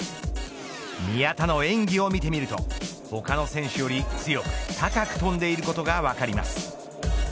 宮田の演技を見てみると他の選手よりも強く高く跳んでいることが分かります。